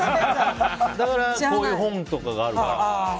だから、こういう本とかがあるから。